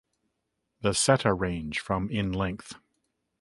The seta range from in length.